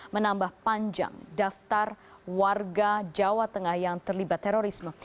menambah panjang daftar warga jawa tengah yang terlibat terorisme